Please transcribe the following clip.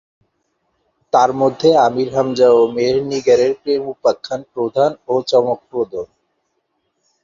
তারমধ্যে আমীর হামজা ও মেহেরনিগারের প্রেমোপাখ্যান প্রধান ও চমকপ্রদ।